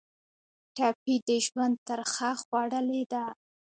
ټپي د ژوند ترخه خوړلې ده.